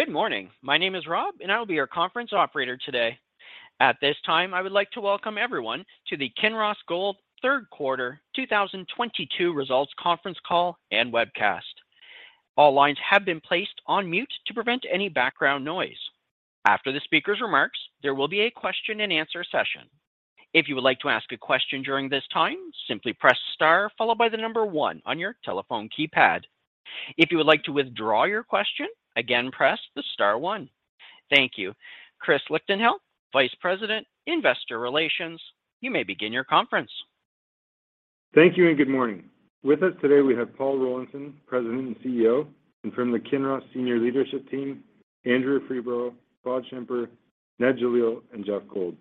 Good morning. My name is Rob, and I will be your conference operator today. At this time, I would like to welcome everyone to the Kinross Gold Third Quarter 2022 Results Conference Call and webcast. All lines have been placed on mute to prevent any background noise. After the speaker's remarks, there will be a question-and-answer session. If you would like to ask a question during this time, simply press star followed by the number one on your telephone keypad. If you would like to withdraw your question, again, press the star one. Thank you. Chris Lichtenheldt, Vice President, Investor Relations, you may begin your conference. Thank you and good morning. With us today we have Paul Rollinson, President and CEO, and from the Kinross senior leadership team, Andrea Freeborough, Claude Schimper, Ned Jalil, and Geoff Gold.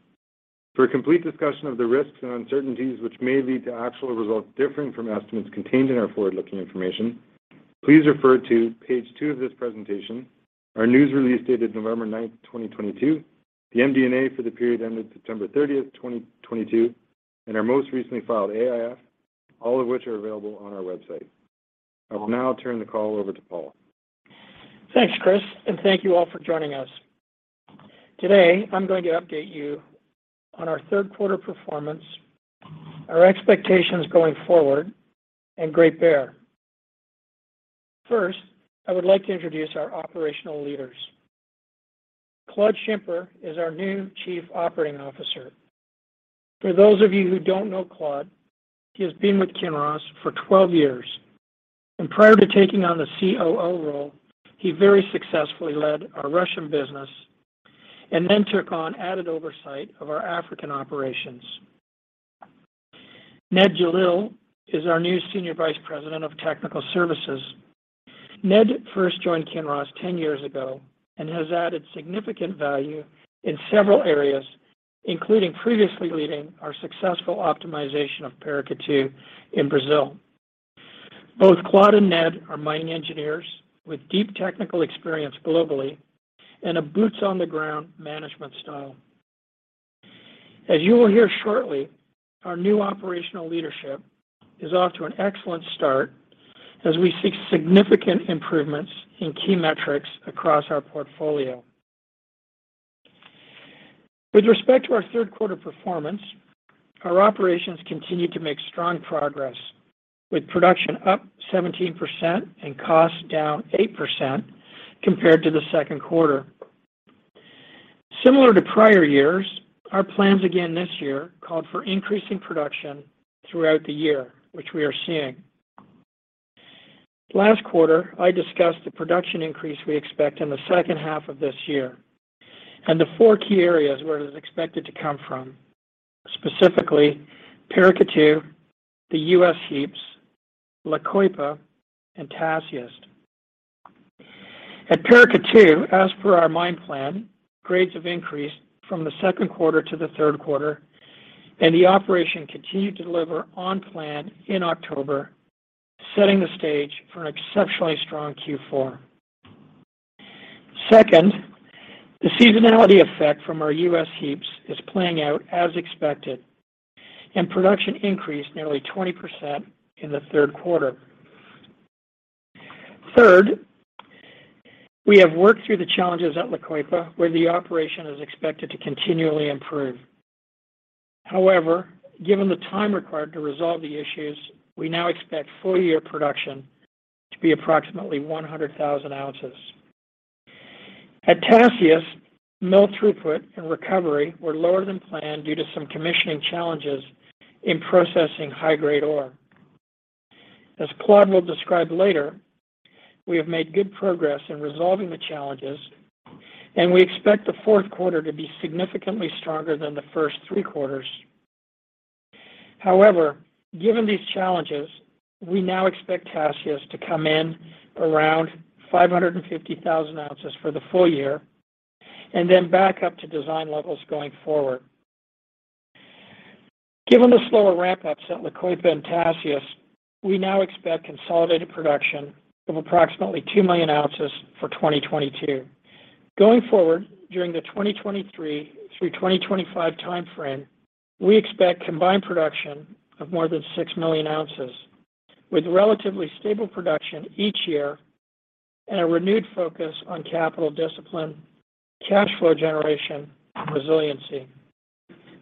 For a complete discussion of the risks and uncertainties which may lead to actual results differing from estimates contained in our forward-looking information, please refer to page two of this presentation, our news release dated November 9th, 2022, the MD&A for the period ended September 30th, 2022, and our most recently filed AIF, all of which are available on our website. I will now turn the call over to Paul. Thanks, Chris, and thank you all for joining us. Today, I'm going to update you on our third quarter performance, our expectations going forward, and Great Bear. First, I would like to introduce our operational leaders. Claude Schimper is our new Chief Operating Officer. For those of you who don't know Claude, he has been with Kinross for 12 years. Prior to taking on the COO role, he very successfully led our Russian business and then took on added oversight of our African operations. Ned Jalil is our new Senior Vice-President of Technical Services. Ned first joined Kinross 10 years ago and has added significant value in several areas, including previously leading our successful optimization of Paracatu in Brazil. Both Claude and Ned are mining engineers with deep technical experience globally and a boots-on-the-ground management style. As you will hear shortly, our new operational leadership is off to an excellent start as we seek significant improvements in key metrics across our portfolio. With respect to our third quarter performance, our operations continued to make strong progress, with production up 17% and costs down 8% compared to the second quarter. Similar to prior years, our plans again this year called for increasing production throughout the year, which we are seeing. Last quarter, I discussed the production increase we expect in the second half of this year and the four key areas where it is expected to come from. Specifically, Paracatu, the U.S. heaps, La Coipa, and Tasiast. At Paracatu, as per our mine plan, grades have increased from the second quarter to the third quarter, and the operation continued to deliver on plan in October, setting the stage for an exceptionally strong Q4. Second, the seasonality effect from our U.S. heaps is playing out as expected, and production increased nearly 20% in the third quarter. Third, we have worked through the challenges at La Coipa, where the operation is expected to continually improve. However, given the time required to resolve the issues, we now expect full-year production to be approximately 100,000 ounces. At Tasiast, mill throughput and recovery were lower than planned due to some commissioning challenges in processing high-grade ore. As Claude will describe later, we have made good progress in resolving the challenges, and we expect the fourth quarter to be significantly stronger than the first three quarters. However, given these challenges, we now expect Tasiast to come in around 550,000 ounces for the full year and then back up to design levels going forward. Given the slower ramp-ups at La Coipa and Tasiast, we now expect consolidated production of approximately two million ounces for 2022. Going forward, during the 2023 through 2025 time frame, we expect combined production of more than six million ounces, with relatively stable production each year and a renewed focus on capital discipline, cash flow generation, and resiliency.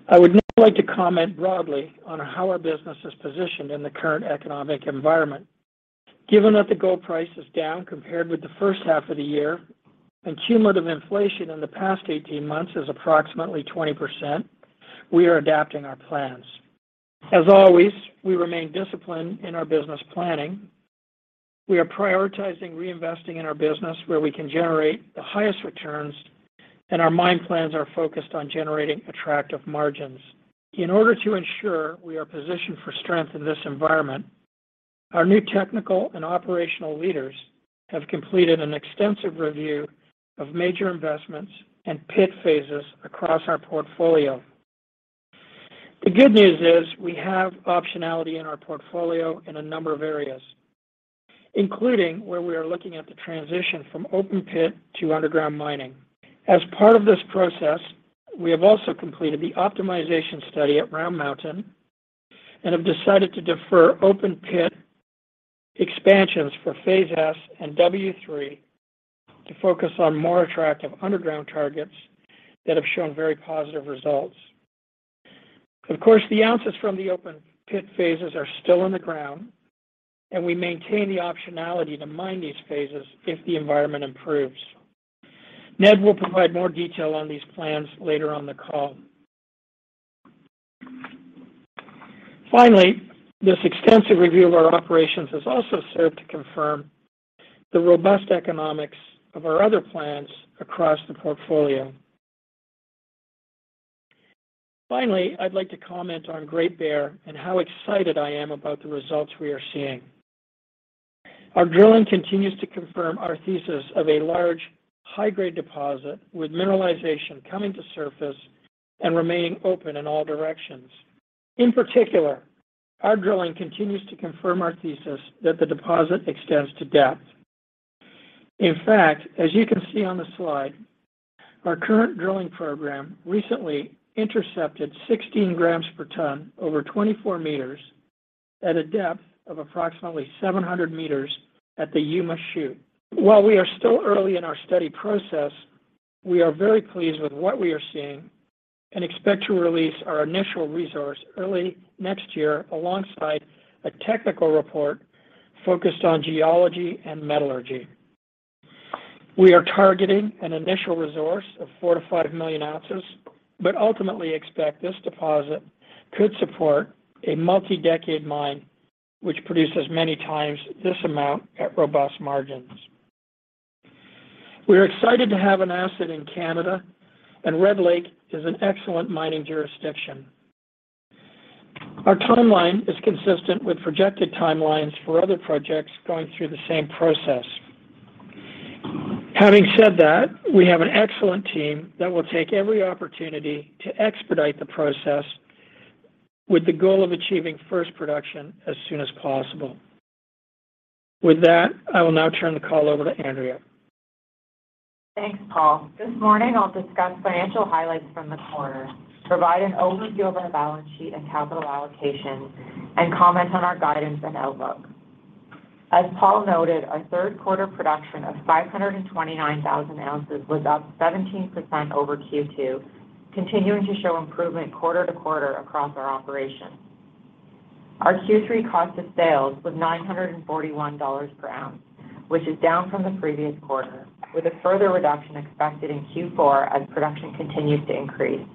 I would now like to comment broadly on how our business is positioned in the current economic environment. Given that the gold price is down compared with the first half of the year and cumulative inflation in the past 18 months is approximately 20%, we are adapting our plans. As always, we remain disciplined in our business planning. We are prioritizing reinvesting in our business where we can generate the highest returns, and our mine plans are focused on generating attractive margins. In order to ensure we are positioned for strength in this environment, our new technical and operational leaders have completed an extensive review of major investments and pit phases across our portfolio. The good news is we have optionality in our portfolio in a number of areas, including where we are looking at the transition from open pit to underground mining. As part of this process, we have also completed the optimization study at Round Mountain and have decided to defer open-pit expansions for Phase S and W3 to focus on more attractive underground targets that have shown very positive results. Of course, the ounces from the open pit phases are still in the ground, and we maintain the optionality to mine these phases if the environment improves. Ned will provide more detail on these plans later on the call. Finally, this extensive review of our operations has also served to confirm the robust economics of our other plans across the portfolio. Finally, I'd like to comment on Great Bear and how excited I am about the results we are seeing. Our drilling continues to confirm our thesis of a large high-grade deposit, with mineralization coming to surface and remaining open in all directions. In particular, our drilling continues to confirm our thesis that the deposit extends to depth. In fact, as you can see on the slide, our current drilling program recently intercepted 16 grams per ton over 24 meters at a depth of approximately 700 meters at the Yuma Shoot. While we are still early in our study process, we are very pleased with what we are seeing and expect to release our initial resource early next year alongside a technical report focused on geology and metallurgy. We are targeting an initial resource of 4 million-5 million ounces, but ultimately expect this deposit could support a multi-decade mine which produces many times this amount at robust margins. We are excited to have an asset in Canada, and Red Lake is an excellent mining jurisdiction. Our timeline is consistent with projected timelines for other projects going through the same process. Having said that, we have an excellent team that will take every opportunity to expedite the process with the goal of achieving first production as soon as possible. With that, I will now turn the call over to Andrea. Thanks, Paul. This morning I'll discuss financial highlights from the quarter, provide an overview of our balance sheet and capital allocation, and comment on our guidance and outlook. As Paul noted, our third quarter production of 529,000 ounces was up 17% over Q2, continuing to show improvement quarter to quarter across our operations. Our Q3 cost of sales was $941 per ounce, which is down from the previous quarter, with a further reduction expected in Q4 as production continues to increase.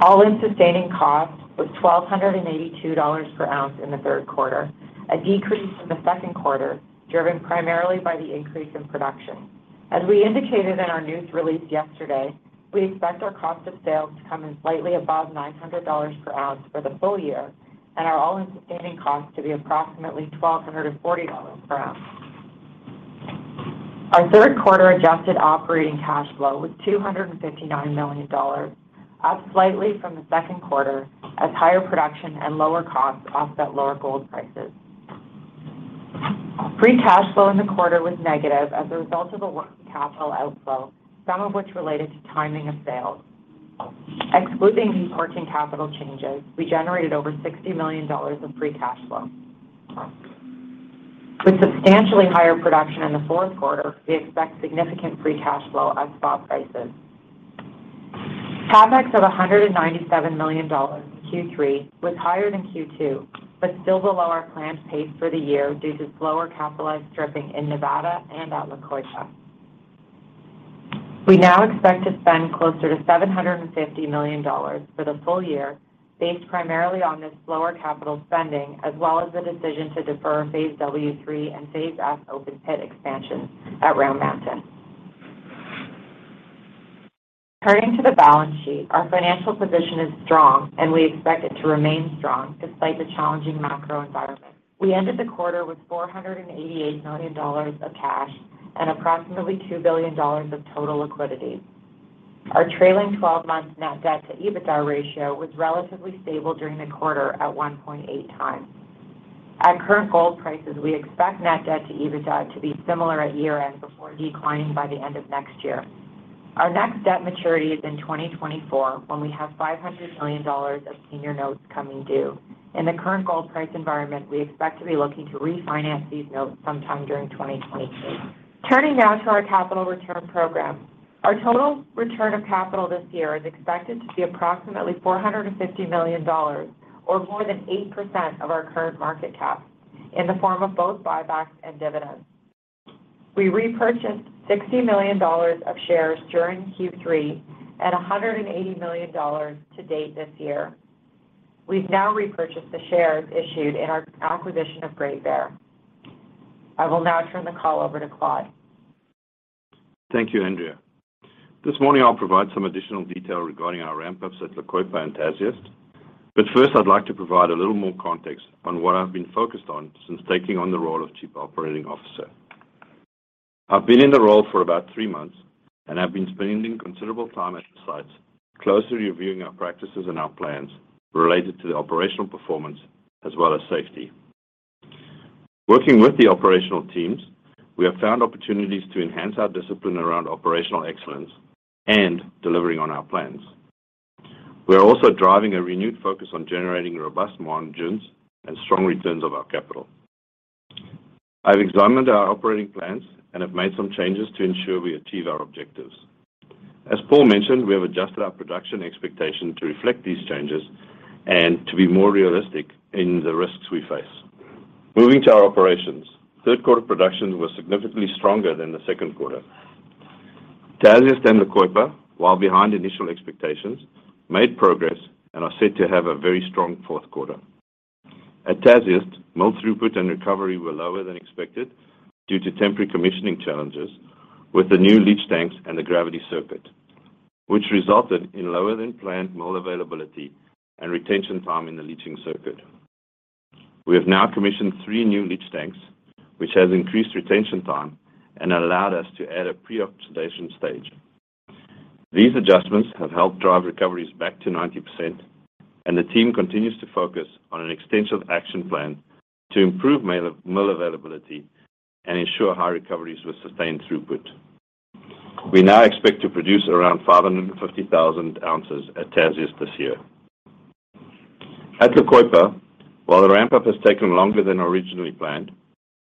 All-in sustaining cost was $1,282 per ounce in the third quarter, a decrease from the second quarter, driven primarily by the increase in production. As we indicated in our news release yesterday, we expect our cost of sales to come in slightly above $900 per ounce for the full year and our all-in sustaining cost to be approximately $1,240 per ounce. Our third quarter adjusted operating cash flow was $259 million, up slightly from the second quarter as higher production and lower costs offset lower gold prices. Free cash flow in the quarter was negative as a result of a working capital outflow, some of which related to timing of sales. Excluding these working capital changes, we generated over $60 million of free cash flow. With substantially higher production in the fourth quarter, we expect significant free cash flow at spot prices. CapEx of $197 million in Q3 was higher than Q2, but still below our planned pace for the year due to slower capitalized stripping in Nevada and at La Coipa. We now expect to spend closer to $750 million for the full year based primarily on this slower capital spending, as well as the decision to defer Phase W3 and Phase S open pit expansions at Round Mountain. Turning to the balance sheet, our financial position is strong and we expect it to remain strong despite the challenging macro environment. We ended the quarter with $488 million of cash and approximately $2 billion of total liquidity. Our trailing twelve-month net debt to EBITDA ratio was relatively stable during the quarter at 1.8x. At current gold prices, we expect net debt to EBITDA to be similar at year-end before declining by the end of next year. Our next debt maturity is in 2024 when we have $500 million of senior notes coming due. In the current gold price environment, we expect to be looking to refinance these notes sometime during 2022. Turning now to our capital return program. Our total return of capital this year is expected to be approximately $450 million or more than 8% of our current market cap in the form of both buybacks and dividends. We repurchased $60 million of shares during Q3 at $180 million to date this year. We've now repurchased the shares issued in our acquisition of Great Bear. I will now turn the call over to Claude. Thank you, Andrea. This morning, I'll provide some additional detail regarding our ramp-ups at La Coipa and Tasiast. First, I'd like to provide a little more context on what I've been focused on since taking on the role of Chief Operating Officer. I've been in the role for about three months, and I've been spending considerable time at the sites closely reviewing our practices and our plans related to the operational performance as well as safety. Working with the operational teams, we have found opportunities to enhance our discipline around operational excellence and delivering on our plans. We are also driving a renewed focus on generating robust margins and strong returns of our capital. I've examined our operating plans and have made some changes to ensure we achieve our objectives. As Paul mentioned, we have adjusted our production expectation to reflect these changes and to be more realistic in the risks we face. Moving to our operations. Third quarter production was significantly stronger than the second quarter. Tasiast and La Coipa, while behind initial expectations, made progress and are set to have a very strong fourth quarter. At Tasiast, mill throughput and recovery were lower than expected due to temporary commissioning challenges with the new leach tanks and the gravity circuit, which resulted in lower than planned mill availability and retention time in the leaching circuit. We have now commissioned three new leach tanks, which has increased retention time and allowed us to add a pre-oxidation stage. These adjustments have helped drive recoveries back to 90%, and the team continues to focus on an extensive action plan to improve mill availability and ensure high recoveries with sustained throughput. We now expect to produce around 550,000 ounces at Tasiast this year. At La Coipa, while the ramp-up has taken longer than originally planned,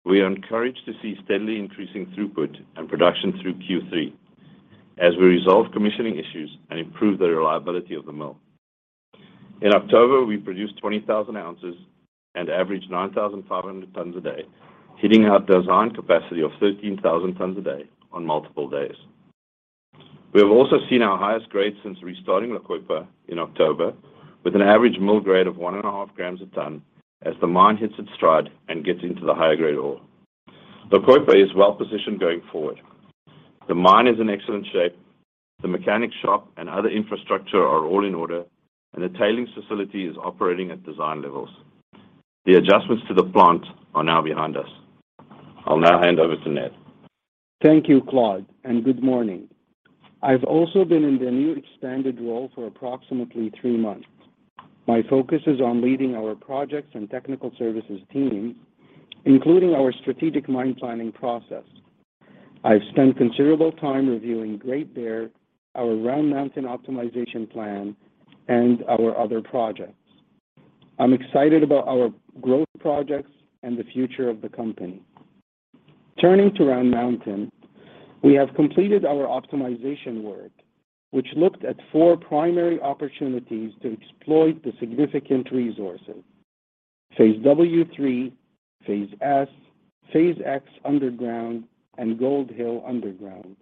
we are encouraged to see steadily increasing throughput and production through Q3 as we resolve commissioning issues and improve the reliability of the mill. In October, we produced 20,000 ounces and averaged 9,500 tons a day, hitting our design capacity of 13,000 tons a day on multiple days. We have also seen our highest grade since restarting La Coipa in October, with an average mill grade of 1.5 grams a ton as the mine hits its stride and gets into the higher-grade ore. La Coipa is well positioned going forward. The mine is in excellent shape. The mechanic shop and other infrastructure are all in order, and the tailings facility is operating at design levels. The adjustments to the plant are now behind us. I'll now hand over to Ned. Thank you, Claude, and good morning. I've also been in the new expanded role for approximately three months. My focus is on leading our projects and technical services team, including our strategic mine planning process. I've spent considerable time reviewing Great Bear, our Round Mountain optimization plan, and our other projects. I'm excited about our growth projects and the future of the company. Turning to Round Mountain, we have completed our optimization work, which looked at four primary opportunities to exploit the significant resources. Phase W3, Phase S, Phase X underground, and Gold Hill underground.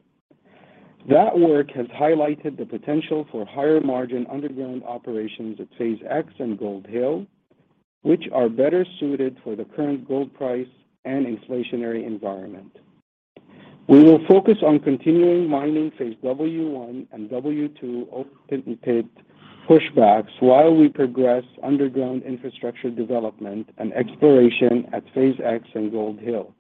That work has highlighted the potential for higher-margin underground operations at Phase X and Gold Hill, which are better suited for the current gold price and inflationary environment. We will focus on continuing mining Phase W1 and W2 open pit pushbacks while we progress underground infrastructure development and exploration at Phase X and Gold Hill.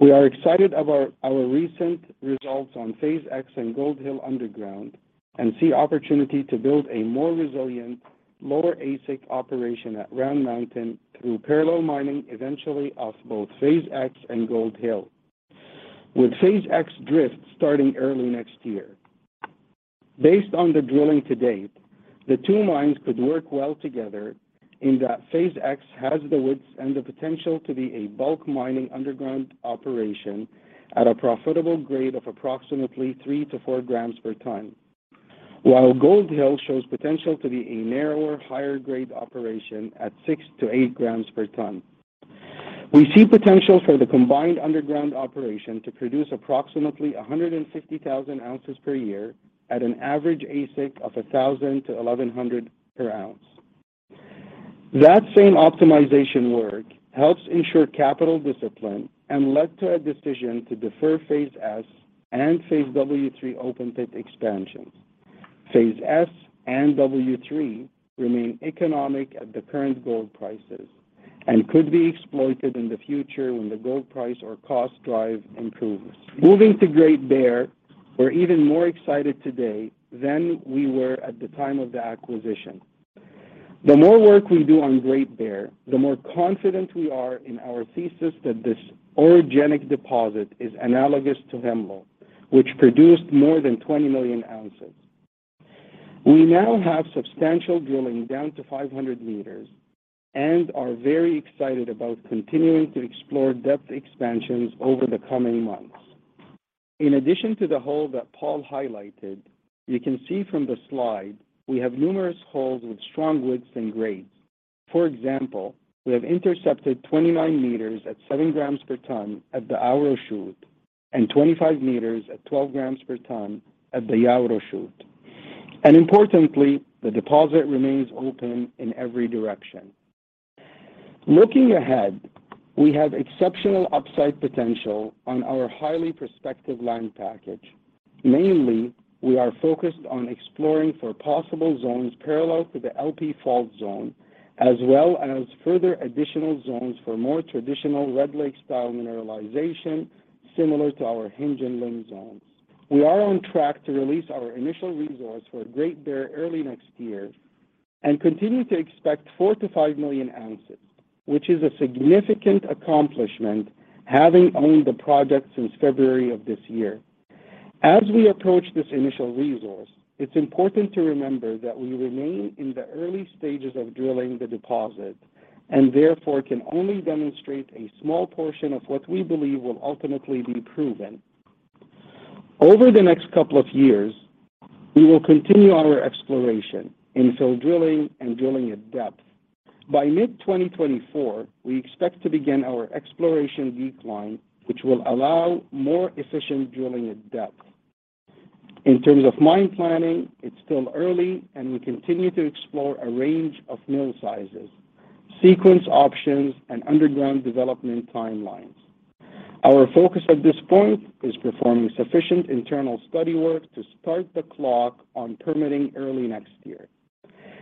We are excited about our recent results on Phase X and Gold Hill underground and see opportunity to build a more resilient, lower AISC operation at Round Mountain through parallel mining, eventually of both Phase X and Gold Hill, with Phase X drift starting early next year. Based on the drilling to date, the two mines could work well together in that Phase X has the widths and the potential to be a bulk mining underground operation at a profitable grade of approximately 3-4 grams per ton. While Gold Hill shows potential to be a narrower, higher-grade operation at 6-8 grams per ton. We see potential for the combined underground operation to produce approximately 150,000 ounces per year at an average AISC of $1,000-$1,100 per ounce. That same optimization work helps ensure capital discipline and led to a decision to defer Phase S and Phase W3 open pit expansions. Phase S and W3 remain economic at the current gold prices and could be exploited in the future when the gold price or cost drive improves. Moving to Great Bear, we're even more excited today than we were at the time of the acquisition. The more work we do on Great Bear, the more confident we are in our thesis that this orogenic deposit is analogous to Hemlo, which produced more than 20 million ounces. We now have substantial drilling down to 500 meters and are very excited about continuing to explore depth expansions over the coming months. In addition to the hole that Paul highlighted, you can see from the slide we have numerous holes with strong widths and grades. For example, we have intercepted 29 meters at 7 grams per ton at the Auro shoot and 25 meters at 12 grams per ton at the Yauro Shoot. Importantly, the deposit remains open in every direction. Looking ahead, we have exceptional upside potential on our highly prospective land package. Mainly, we are focused on exploring for possible zones parallel to the LP Fault zone, as well as further additional zones for more traditional Red Lake style mineralization similar to our Hinge and Limb zones. We are on track to release our initial resource for Great Bear early next year. We continue to expect 4 million-5 million ounces, which is a significant accomplishment having owned the project since February of this year. As we approach this initial resource, it's important to remember that we remain in the early stages of drilling the deposit, and therefore can only demonstrate a small portion of what we believe will ultimately be proven. Over the next couple of years, we will continue our exploration, infill drilling, and drilling at depth. By mid-2024, we expect to begin our exploration decline, which will allow more efficient drilling at depth. In terms of mine planning, it's still early, and we continue to explore a range of mill sizes, sequence options, and underground development timelines. Our focus at this point is performing sufficient internal study work to start the clock on permitting early next year.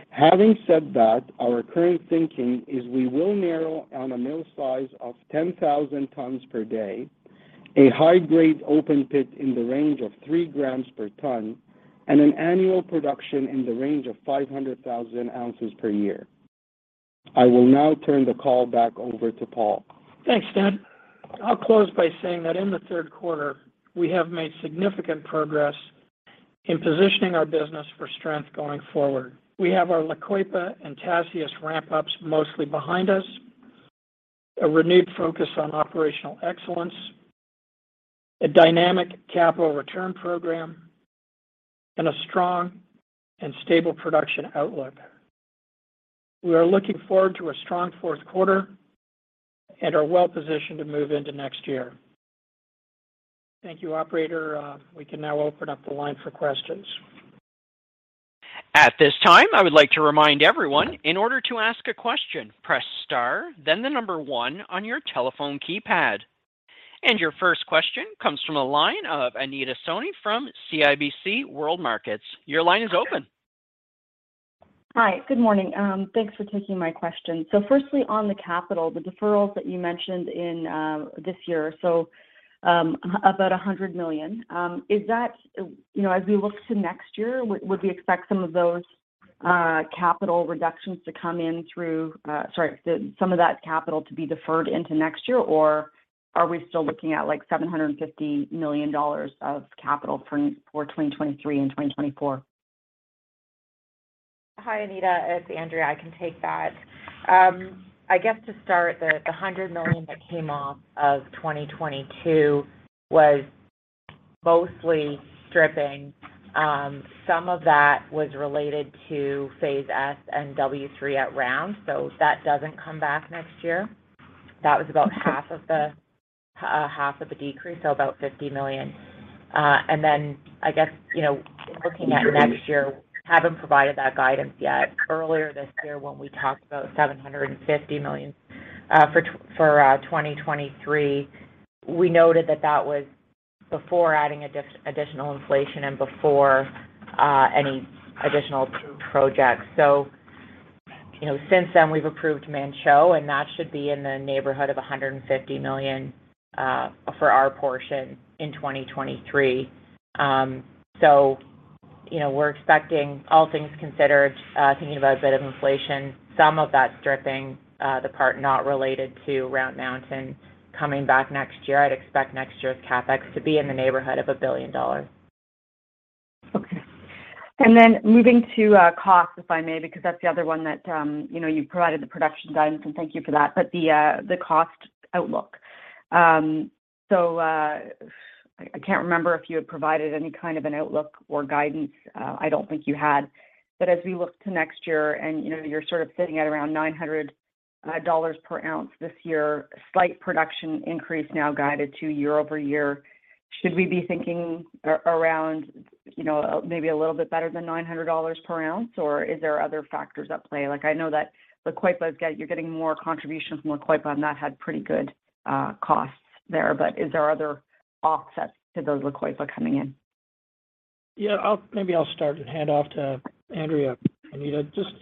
Having said that, our current thinking is we will narrow on a mill size of 10,000 tons per day, a high-grade open pit in the range of 3 grams per ton, and an annual production in the range of 500,000 ounces per year. I will now turn the call back over to Paul. Thanks, Ned. I'll close by saying that in the third quarter, we have made significant progress in positioning our business for strength going forward. We have our La Coipa and Tasiast ramp-ups mostly behind us, a renewed focus on operational excellence, a dynamic capital return program, and a strong and stable production outlook. We are looking forward to a strong fourth quarter and are well-positioned to move into next year. Thank you, operator. We can now open up the line for questions. At this time, I would like to remind everyone, in order to ask a question, press star, then the number one on your telephone keypad. Your first question comes from the line of Anita Soni from CIBC World Markets. Your line is open. Hi. Good morning. Thanks for taking my question. Firstly, on the capital, the deferrals that you mentioned in this year, about $100 million, is that? You know, as we look to next year, would we expect some of those, sorry, some of that capital to be deferred into next year, or are we still looking at, like, $750 million of capital for 2023 and 2024? Hi, Anita. It's Andrea. I can take that. I guess to start, the $100 million that came off of 2022 was mostly stripping. Some of that was related to Phase S and W3 at Round. That doesn't come back next year. That was about half of the decrease, so about $50 million. And then I guess, you know, looking at next year, we haven't provided that guidance yet. Earlier this year when we talked about $750 million for 2023, we noted that that was before adding additional inflation and before any additional projects. You know, since then, we've approved Manh Choh, and that should be in the neighborhood of $150 million for our portion in 2023. You know, we're expecting, all things considered, thinking about a bit of inflation, some of that stripping, the part not related to Round Mountain coming back next year. I'd expect next year's CapEx to be in the neighborhood of $1 billion. Okay. Moving to cost, if I may, because that's the other one that you know, you provided the production guidance, and thank you for that, but the cost outlook. I can't remember if you had provided any kind of an outlook or guidance. I don't think you had. As we look to next year and you know, you're sort of sitting at around $900 per ounce this year, slight production increase now guided to year-over-year, should we be thinking around you know, maybe a little bit better than $900 per ounce, or is there other factors at play? Like, I know that La Coipa's got. You're getting more contributions from La Coipa, and that had pretty good costs there. Is there other offsets to those La Coipa coming in? Yeah, I'll, maybe I'll start and hand off to Andrea, Anita. Just,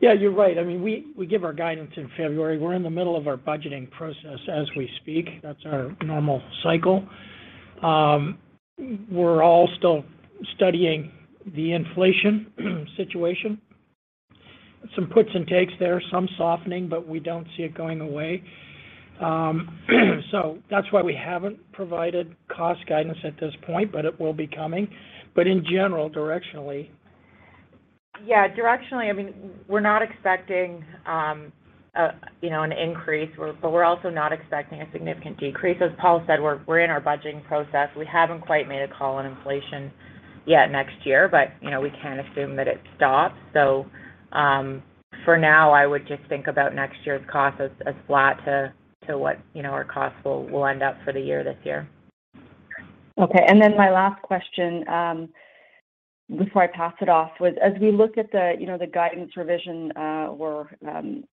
yeah, you're right. I mean, we give our guidance in February. We're in the middle of our budgeting process as we speak. That's our normal cycle. We're all still studying the inflation situation. Some puts and takes there, some softening, but we don't see it going away. That's why we haven't provided cost guidance at this point, but it will be coming. In general, directionally. Yeah, directionally, I mean, we're not expecting, you know, an increase, but we're also not expecting a significant decrease. As Paul said, we're in our budgeting process. We haven't quite made a call on inflation yet next year but, you know, we can't assume that it stops. For now, I would just think about next year's cost as flat to what, you know, our costs will end up for the year this year. Okay. My last question before I pass it off was, as we look at the, you know, the guidance revision or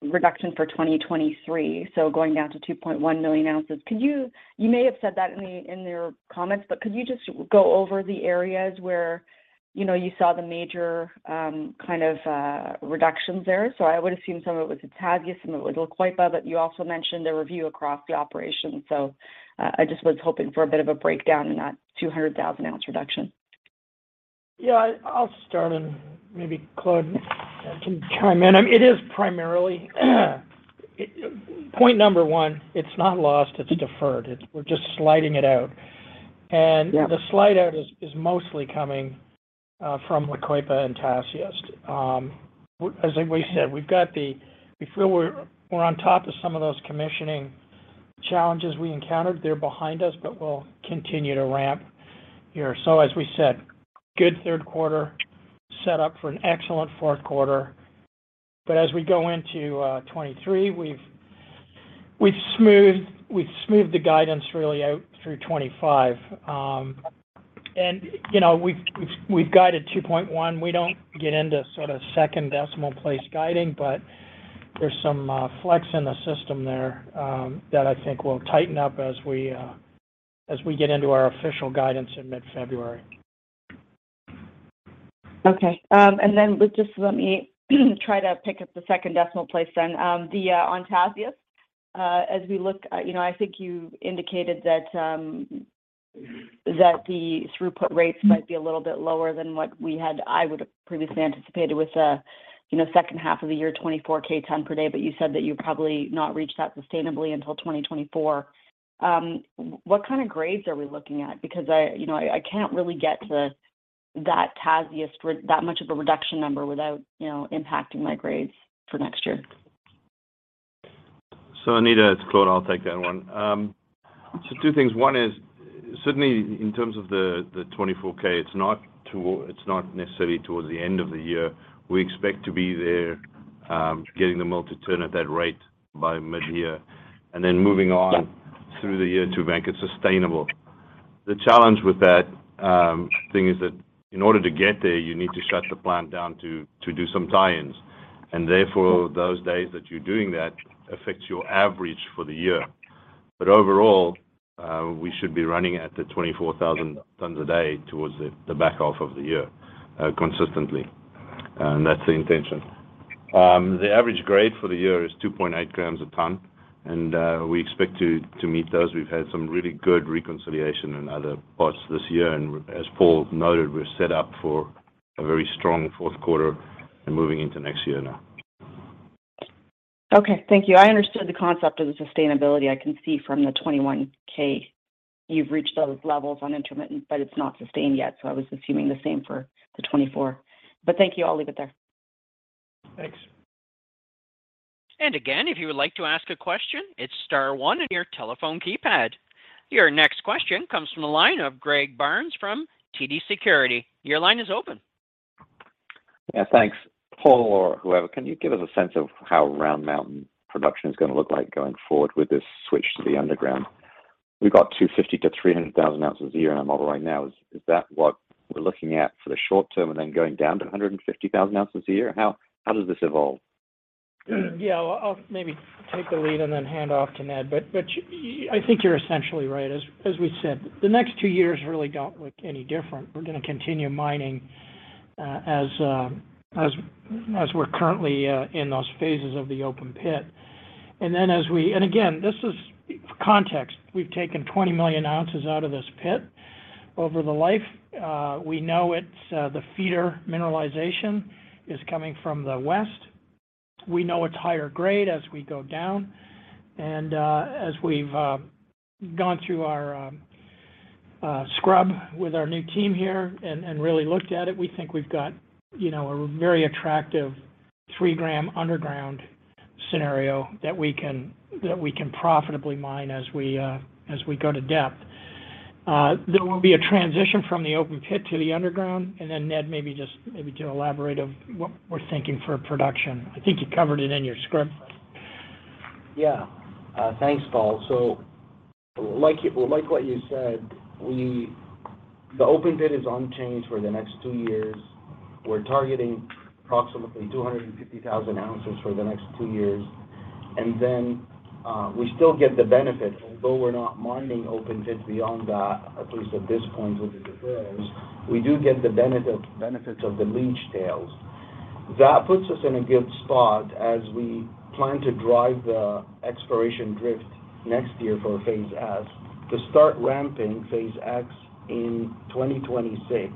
reduction for 2023, so going down to 2.1 million ounces, could you? You may have said that in your comments, but could you just go over the areas where, you know, you saw the major kind of reductions there? I would assume some of it was at Tasiast, some of it was La Coipa, but you also mentioned a review across the operation. I just was hoping for a bit of a breakdown in that 200,000-ounce reduction. Yeah, I'll start and maybe Claude can chime in. It is primarily point number one, it's not lost, it's deferred. We're just sliding it out. Yeah. The slide-out is mostly coming from La Coipa and Tasiast. As, like we said, we've got the. We feel we're on top of some of those commissioning challenges we encountered. They're behind us, but we'll continue to ramp here. As we said, good third quarter set up for an excellent fourth quarter. As we go into 2023, we've smoothed the guidance really out through 2025. You know, we've guided 2.1. We don't get into sort of second decimal place guiding, but there's some flex in the system there that I think will tighten up as we get into our official guidance in mid-February. Okay. Just let me try to pick up the second decimal place then. On Tasiast, as we look, you know, I think you indicated that the throughput rates might be a little bit lower than what we had, I would have previously anticipated with the, you know, second half of the year, 24,000 tons per day. You said that you've probably not reached that sustainably until 2024. What kind of grades are we looking at? Because you know, I can't really get to that Tasiast that much of a reduction number without, you know, impacting my grades for next year. Anita, it's Claude. I'll take that one. Two things. One is certainly in terms of the 24,000. It's not necessarily towards the end of the year. We expect to be there, getting the mill to turn at that rate by mid-year and then moving on through the year to make it sustainable. The challenge with that thing is that in order to get there, you need to shut the plant down to do some tie-ins, and therefore those days that you're doing that affects your average for the year. Overall, we should be running at the 24,000 tons a day towards the back half of the year, consistently. That's the intention. The average grade for the year is 2.8 grams a ton, and we expect to meet those. We've had some really good reconciliation in other parts this year. As Paul noted, we're set up for a very strong fourth quarter and moving into next year now. Okay. Thank you. I understood the concept of the sustainability. I can see from the 2021 you've reached those levels on intermittent, but it's not sustained yet. I was assuming the same for the 2024. Thank you. I'll leave it there. Thanks. Again, if you would like to ask a question, it's star one on your telephone keypad. Your next question comes from the line of Greg Barnes from TD Securities. Your line is open. Yeah, thanks. Paul or whoever, can you give us a sense of how Round Mountain production is gonna look like going forward with this switch to the underground? We've got 250,000-300,000 ounces a year in our model right now. Is that what we're looking at for the short term and then going down to 150,000 ounces a year? How does this evolve? Yeah. I'll maybe take the lead and then hand off to Ned. I think you're essentially right. As we said, the next two years really don't look any different. We're gonna continue mining as we're currently in those phases of the open pit. This is context. We've taken 20 million ounces out of this pit over the life. We know the feeder mineralization is coming from the west. We know it's higher grade as we go down. As we've gone through our scrub with our new team here and really looked at it, we think we've got, you know, a very attractive 3 gram underground scenario that we can profitably mine as we go to depth. There will be a transition from the open pit to the underground. Then Ned, maybe to elaborate on what we're thinking for production. I think you covered it in your script. Yeah. Thanks, Paul. Like what you said. The open pit is unchanged for the next two years. We're targeting approximately 250,000 ounces for the next two years. Then we still get the benefit, although we're not mining open pits beyond that, at least at this point with the deferrals, we do get the benefits of the leach tails. That puts us in a good spot as we plan to drive the exploration drift next year for Phase S to start ramping Phase X in 2026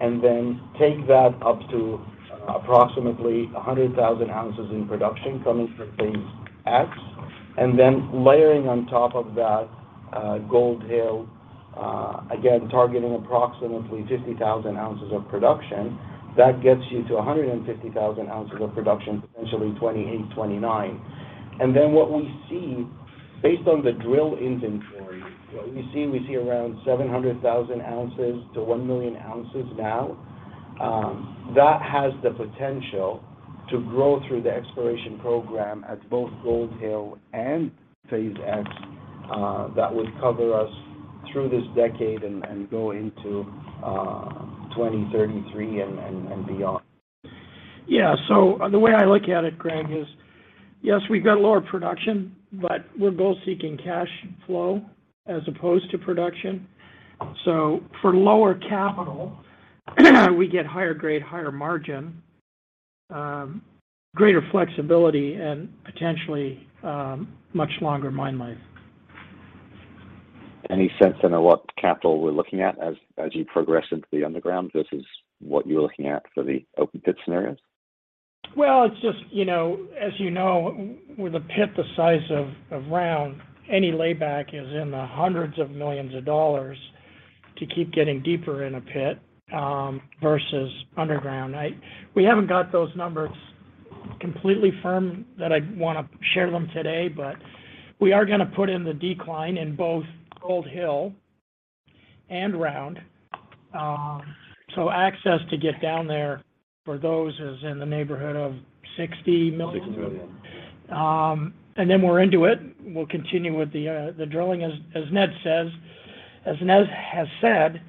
and then take that up to approximately 100,000 ounces in production coming from Phase X. Then layering on top of that, Gold Hill, again, targeting approximately 50,000 ounces of production. That gets you to 150,000 ounces of production, potentially 2028, 2029. What we see based on the drill inventory, we see around 700,000-1 million ounces now. That has the potential to grow through the exploration program at both Gold Hill and Phase X. That would cover us through this decade and beyond. Yeah. The way I look at it, Greg, is, yes, we've got lower production, but we're both seeking cash flow as opposed to production. For lower capital, we get higher grade, higher margin, greater flexibility, and potentially, much longer mine life. Any sense on what capital we're looking at as you progress into the underground versus what you're looking at for the open pit scenarios? Well, it's just, you know, with a pit the size of Round, any layback is in the hundreds of millions of dollars to keep getting deeper in a pit versus underground. We haven't got those numbers completely firm that I'd wanna share them today, but we are gonna put in the decline in both Gold Hill and Round. Access to get down there for those is in the neighborhood of $60 million. $60 million. We're into it. We'll continue with the drilling as Ned says. As Ned has said,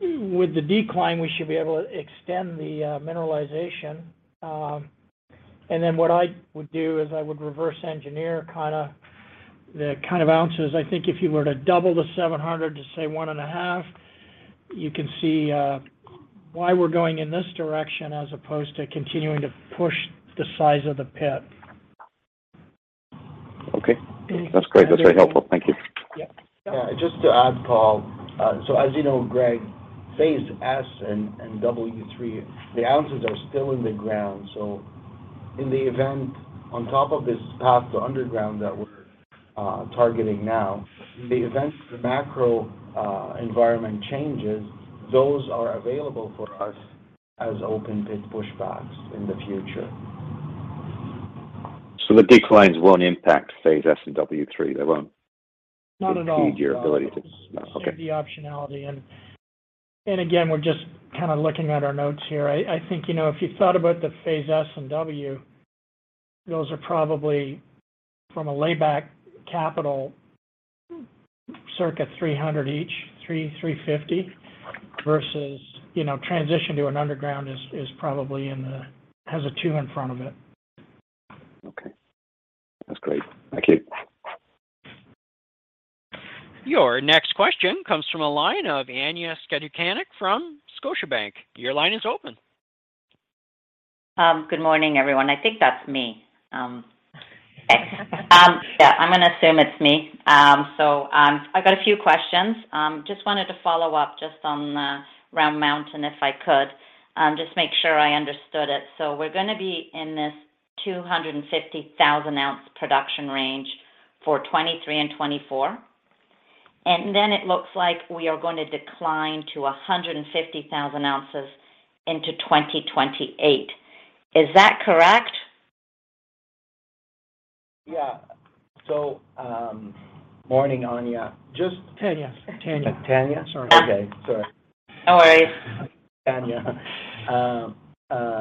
with the decline, we should be able to extend the mineralization. What I would do is I would reverse engineer kinda the kind of ounces. I think if you were to double the 700,000 to, say, 1.5 million, you can see why we're going in this direction as opposed to continuing to push the size of the pit. Okay. That's great. And That's very helpful. Thank you. Yeah. Yeah, just to add, Paul. As you know, Greg, Phase S and W3, the ounces are still in the ground. In the event, on top of this path to underground that we're targeting now, in the event the macro environment changes, those are available for us as open pit pushbacks in the future. The declines won't impact Phase S and W3? They won't. Not at all. impede your ability to No. Okay. Save the optionality and again, we're just kinda looking at our notes here. I think, you know, if you thought about the Phase S and W, those are probably from a layback capital circa $300 each, $350 versus, you know, transition to an underground is probably has a two in front of it. Okay. That's great. Thank you. Your next question comes from a line of Tanya Jakusconek from Scotiabank. Your line is open. Good morning, everyone. I think that's me. Yeah, I'm gonna assume it's me. I've got a few questions. Just wanted to follow up just on Round Mountain, if I could, just make sure I understood it. We're gonna be in this 250,000-ounce production range for 2023 and 2024. Then it looks like we are gonna decline to 150,000 ounces into 2028. Is that correct? Yeah. Morning, Anya. Tanya. Tanya? Sorry. Okay. Sorry. No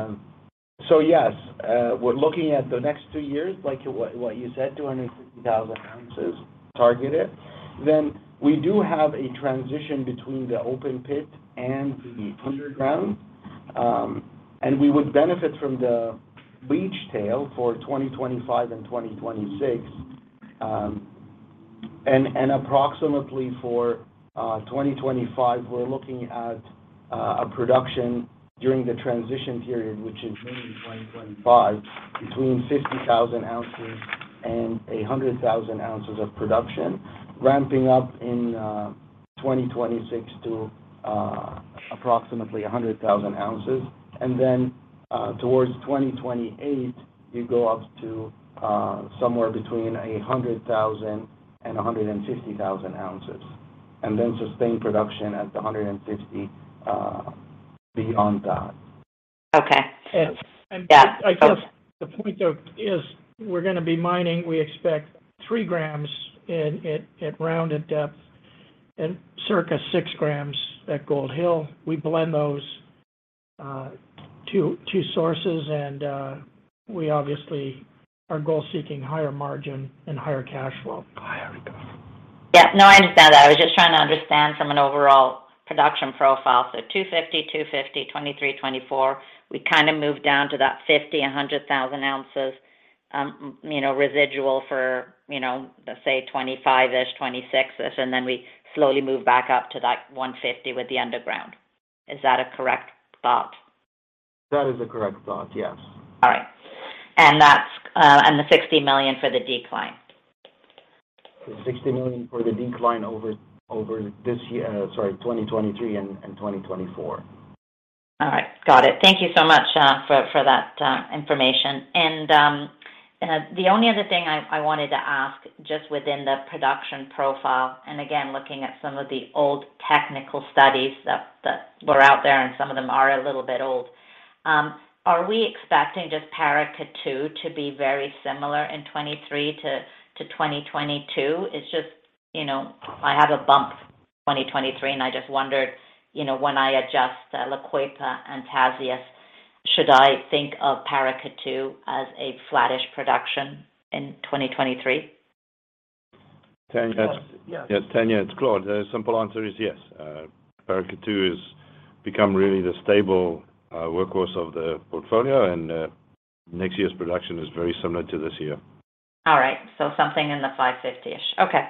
worries. Tanya, yes, we're looking at the next two years, like what you said, 250,000 ounces targeted. We do have a transition between the open pit and the underground, and we would benefit from the leach tails for 2025 and 2026. Approximately for 2025, we're looking at a production during the transition period, which is mainly 2025, between 50,000 ounces and 100,000 ounces of production, ramping up in 2026 to approximately 100,000 ounces. Towards 2028, you go up to somewhere between 100,000 and 150,000 ounces, and then sustained production at the 150,000 beyond that. Okay. And, and I- Yeah. Go Guess the point, though, is we're gonna be mining. We expect 3 grams at Round at depth and circa 6 grams at Gold Hill. We blend those two sources and we obviously are goal-seeking higher margin and higher cash flow. Higher. Go. Yeah, no, I understand that. I was just trying to understand from an overall production profile. 250, 2023, 2024. We kinda move down to 50,000-100,000 ounces, you know, residual for, you know, let's say 2025-ish, 2026-ish, and then we slowly move back up to that 150 with the underground. Is that a correct thought? That is a correct thought, yes. All right. That's the $60 million for the decline. The $60 million for the decline over this year, sorry, 2023 and 2024. All right. Got it. Thank you so much for that information. The only other thing I wanted to ask just within the production profile, and again, looking at some of the old technical studies that were out there, and some of them are a little bit old, are we expecting just Paracatu to be very similar in 2023 to 2022? It's just, you know, I have a bump 2023, and I just wondered, you know, when I adjust La Coipa and Tasiast, should I think of Paracatu as a flattish production in 2023? Tanya. Yes. Yes. Yes, Tanya, it's Claude. The simple answer is yes. Paracatu has become really the stable workhorse of the portfolio, and next year's production is very similar to this year. All right. Something in the 550-ish. Okay.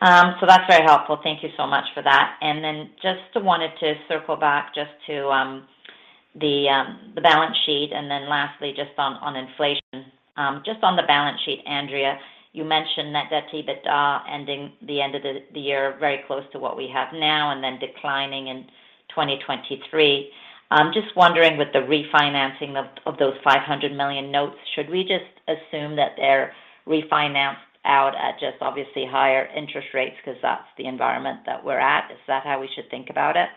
That's very helpful. Thank you so much for that. Just wanted to circle back just to the balance sheet. Lastly, just on inflation. Just on the balance sheet, Andrea, you mentioned net debt to EBITDA ending the end of the year very close to what we have now and then declining in 2023. I'm just wondering with the refinancing of those $500 million notes, should we just assume that they're refinanced out at just obviously higher interest rates because that's the environment that we're at? Is that how we should think about it?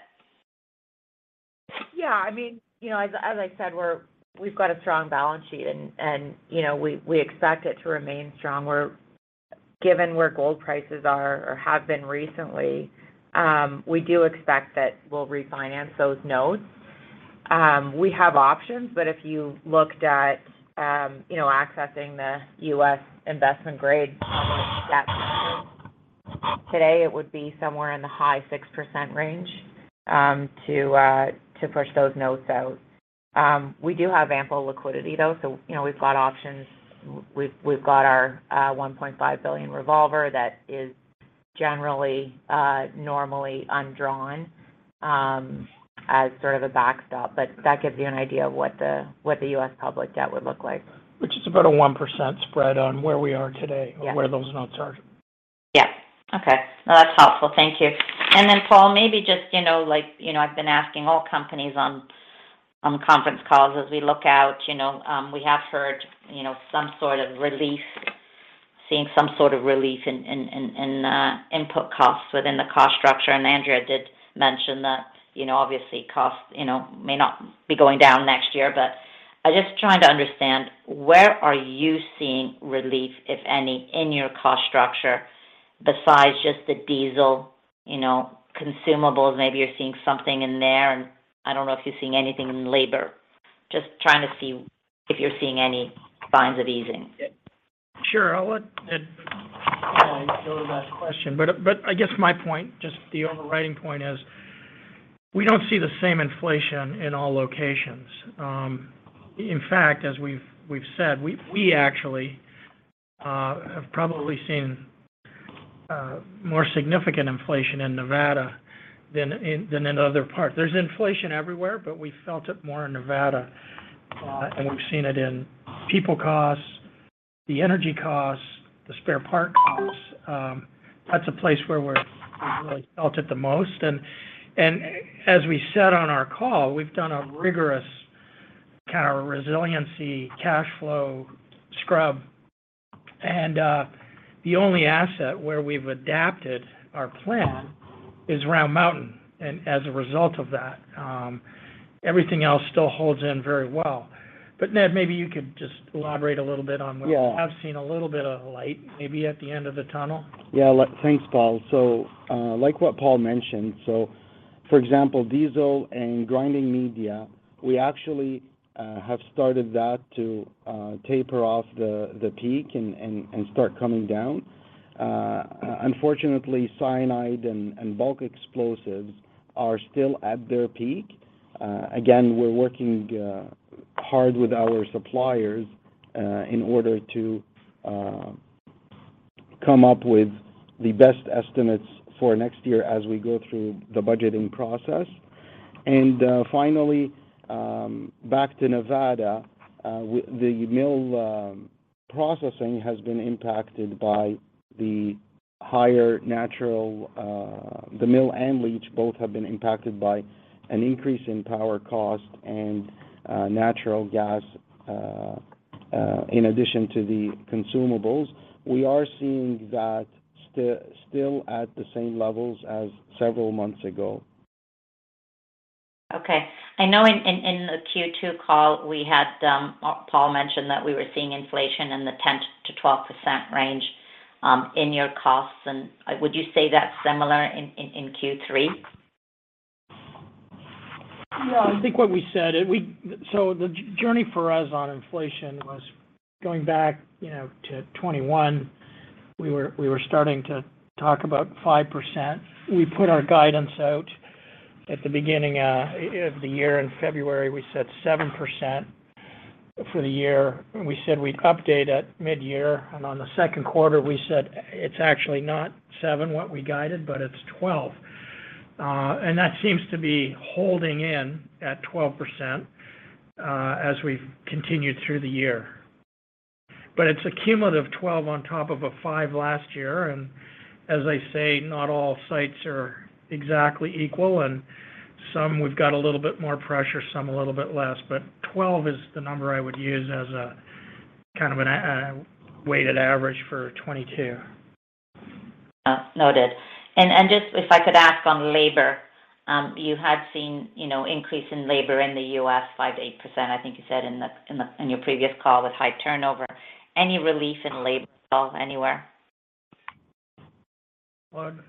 Yeah. I mean, you know, as I said, we've got a strong balance sheet and, you know, we expect it to remain strong. Given where gold prices are or have been recently, we do expect that we'll refinance those notes. We have options, but if you looked at, you know, accessing the U.S. investment-grade public debt market today, it would be somewhere in the high 6% range, to push those notes out. We do have ample liquidity, though, so, you know, we've got options. We've got our $1.5 billion revolver that is generally, normally undrawn, as sort of a backstop. That gives you an idea of what the U.S. public debt would look like. Which is about a 1% spread on where we are today- Yes. Where those notes are. Yeah. Okay. No, that's helpful. Thank you. Paul, maybe just, you know, like, you know, I've been asking all companies on conference calls as we look out, you know, we have heard some sort of relief, seeing some sort of relief in input costs within the cost structure. Andrea did mention that, you know, obviously costs, you know, may not be going down next year. I'm just trying to understand where are you seeing relief, if any, in your cost structure besides just the diesel, you know, consumables, maybe you're seeing something in there. I don't know if you're seeing anything in labor. Just trying to see if you're seeing any signs of easing. Sure. I'll let Ned and then I'll go to that question. I guess my point, just the overriding point is we don't see the same inflation in all locations. In fact, as we've said, we actually have probably seen more significant inflation in Nevada than in other parts. There's inflation everywhere, but we felt it more in Nevada. We've seen it in people costs, the energy costs, the spare parts costs. That's a place where we've really felt it the most. As we said on our call, we've done a rigorous kind of resiliency cash flow scrub. The only asset where we've adapted our plan is Round Mountain. As a result of that, everything else still holds up very well. Ned Jalil, maybe you could just elaborate a little bit on where. Yeah. We have seen a little bit of light, maybe at the end of the tunnel. Yeah. Thanks, Paul. Like what Paul mentioned, for example, diesel and grinding media, we actually have started to taper off the peak and start coming down. Unfortunately, cyanide and bulk explosives are still at their peak. Again, we're working hard with our suppliers in order to come up with the best estimates for next year as we go through the budgeting process. Finally, back to Nevada, the mill processing has been impacted by higher natural gas. The mill and leach both have been impacted by an increase in power cost and natural gas in addition to the consumables. We are seeing that still at the same levels as several months ago. Okay. I know in the Q2 call, we had Paul mention that we were seeing inflation in the 10%-12% range in your costs. Would you say that's similar in Q3? Yeah, I think what we said. The journey for us on inflation was going back, you know, to 2021. We were starting to talk about 5%. We put our guidance out at the beginning of the year in February, we said 7% for the year. We said we'd update at mid-year. On the second quarter, we said it's actually not seven what we guided, but it's 12%. That seems to be holding in at 12%, as we've continued through the year. It's a cumulative 12% on top of a 5% last year. As I say, not all sites are exactly equal, and some we've got a little bit more pressure, some a little bit less. Twelve is the number I would use as a kind of an weighted average for 2022. Noted. Just if I could ask on labor, you had seen, you know, increase in labor in the U.S., 5%-8%, I think you said in your previous call with high turnover. Any relief in labor at all anywhere? Claude?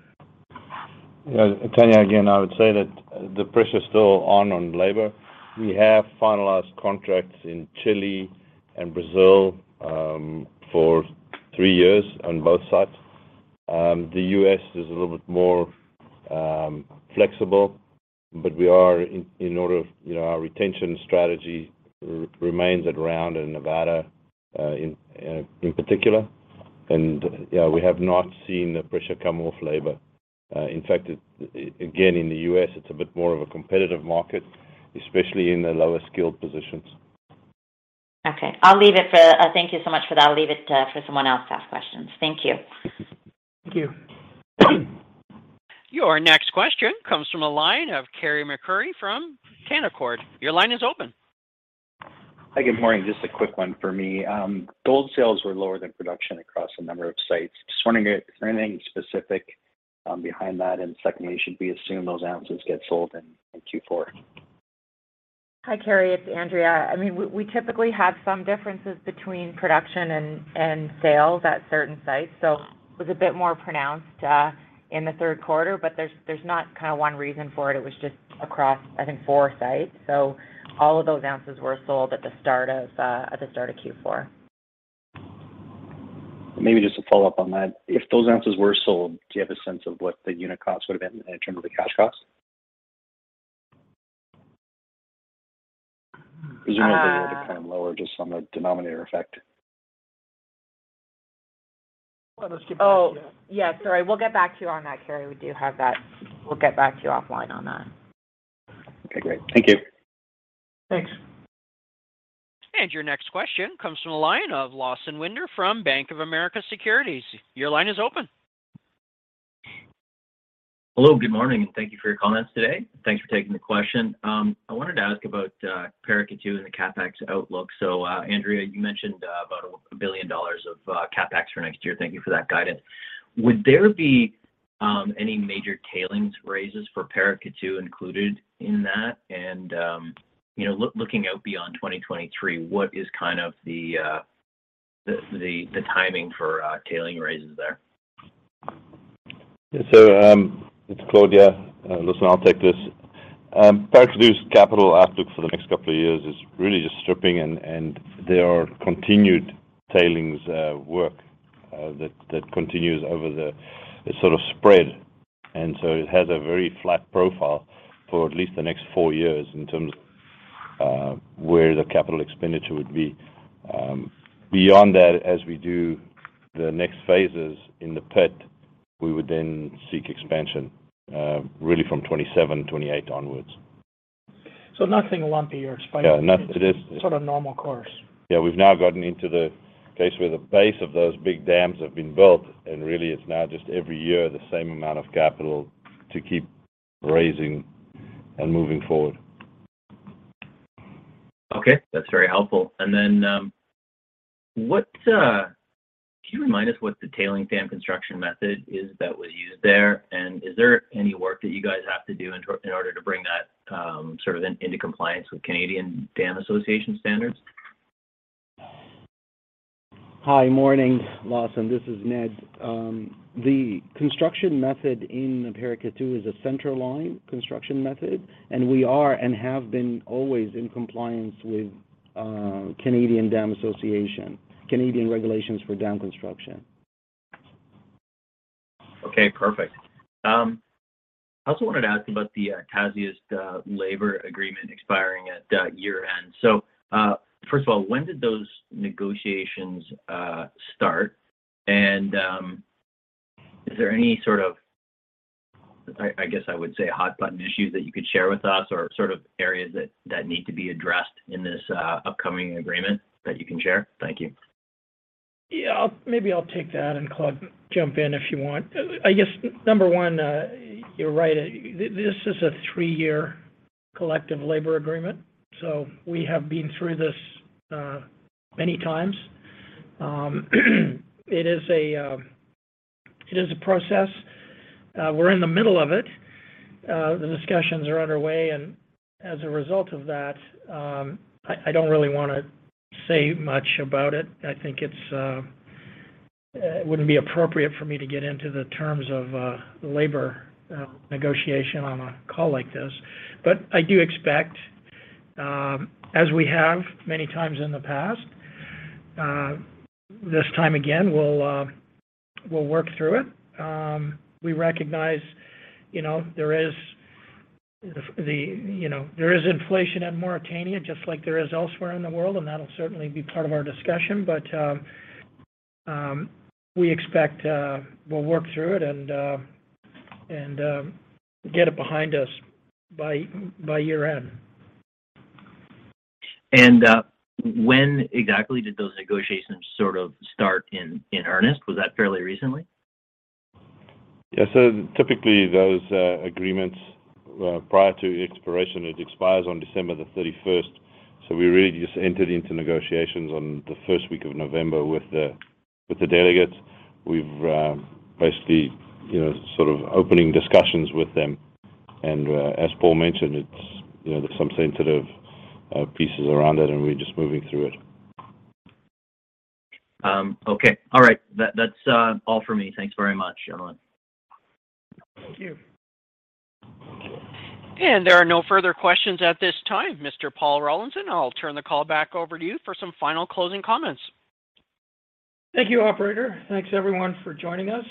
Yeah, Tanya, again, I would say that the pressure is still on labor. We have finalized contracts in Chile and Brazil for three years on both sites. The US is a little bit more flexible, but we are in order of, you know, our retention strategy remains at Round Mountain in Nevada in particular. Yeah, we have not seen the pressure come off labor. In fact, again, in the U.S. it's a bit more of a competitive market, especially in the lower-skilled positions. Okay. Thank you so much for that. I'll leave it for someone else to ask questions. Thank you. Thank you. Your next question comes from the line of Carey MacRury from Canaccord. Your line is open. Hi. Good morning. Just a quick one for me. Gold sales were lower than production across a number of sites. Just wondering if there anything specific behind that. Secondly, should we assume those ounces get sold in Q4? Hi, Carey, it's Andrea. I mean, we typically have some differences between production and sales at certain sites, so it was a bit more pronounced in the third quarter, but there's not kind of one reason for it. It was just across, I think, four sites. All of those ounces were sold at the start of Q4. Maybe just to follow up on that. If those ounces were sold, do you have a sense of what the unit cost would've been in terms of the cash cost? Uh- Presumably they were kind of lower, just on the denominator effect. Why don't we skip back to you? Oh, yeah, sorry. We'll get back to you on that, Carey. We do have that. We'll get back to you offline on that. Okay, great. Thank you. Thanks. Your next question comes from the line of Lawson Winder from Bank of America Securities. Your line is open. Hello, good morning, and thank you for your comments today. Thanks for taking the question. I wanted to ask about Paracatu and the CapEx outlook. Andrea, you mentioned about $1 billion of CapEx for next year. Thank you for that guidance. Would there be any major tailings raises for Paracatu included in that? You know, looking out beyond 2023, what is kind of the timing for tailings raises there? It's Claude. Listen, I'll take this. Paracatu's capital outlook for the next couple of years is really just stripping and continued tailings work that continues. It's sort of spread, and so it has a very flat profile for at least the next four years in terms of where the capital expenditure would be. Beyond that, as we do the next phases in the pit, we would then seek expansion really from 2027, 2028 onwards. Nothing lumpy or spiky. Yeah. Sort of normal course. Yeah. We've now gotten into the case where the base of those big dams have been built, and really it's now just every year the same amount of capital to keep raising and moving forward. Okay. That's very helpful. Can you remind us what the tailings dam construction method is that was used there, and is there any work that you guys have to do in order to bring that, sort of into compliance with Canadian Dam Association standards? Hi. Morning, Lawson. This is Ned. The construction method in Paracatu is a centerline construction method, and we are and have been always in compliance with Canadian Dam Association, Canadian regulations for dam construction. Okay. Perfect. I also wanted to ask about the Tasiast labor agreement expiring at year-end. First of all, when did those negotiations start? Is there any sort of, I guess I would say, hot button issues that you could share with us or sort of areas that need to be addressed in this upcoming agreement that you can share? Thank you. Yeah. Maybe I'll take that, and Claude, jump in if you want. I guess number one, you're right. This is a three-year collective labor agreement, so we have been through this many times. It is a process. We're in the middle of it. The discussions are underway, and as a result of that, I don't really wanna say much about it. I think it wouldn't be appropriate for me to get into the terms of the labor negotiation on a call like this. But I do expect, as we have many times in the past, this time again, we'll work through it. We recognize, you know, there is inflation at Mauritania, just like there is elsewhere in the world, and that'll certainly be part of our discussion. We expect we'll work through it and get it behind us by year-end. When exactly did those negotiations sort of start in earnest? Was that fairly recently? Yeah. Typically, those agreements prior to expiration, it expires on December 31st, so we really just entered into negotiations on the first week of November with the delegates. We've basically, you know, sort of opening discussions with them. As Paul mentioned, it's, you know, there's some sensitive pieces around it, and we're just moving through it. Okay. All right. That's all for me. Thanks very much, everyone. Thank you. There are no further questions at this time. Mr. Paul Rollinson, I'll turn the call back over to you for some final closing comments. Thank you, operator. Thanks everyone for joining us.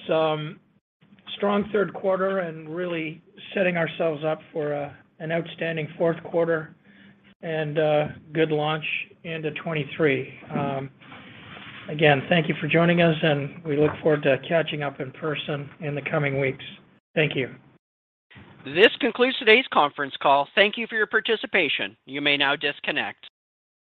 Strong third quarter and really setting ourselves up for an outstanding fourth quarter and good launch into 2023. Again, thank you for joining us, and we look forward to catching up in person in the coming weeks. Thank you. This concludes today's conference call. Thank you for your participation. You may now disconnect.